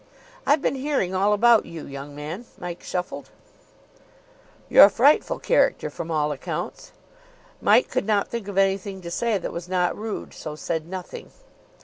"I've been hearing all about you, young man." Mike shuffled. "You're a frightful character from all accounts." Mike could not think of anything to say that was not rude, so said nothing.